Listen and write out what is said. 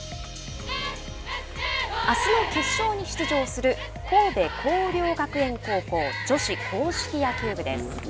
あすの決勝に出場する神戸弘陵学園高校女子硬式野球部です。